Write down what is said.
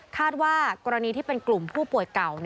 ว่ากรณีที่เป็นกลุ่มผู้ป่วยเก่า